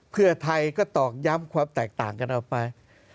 เพื่อไทยก็ตอกย้ำความแตกต่างกันออกไป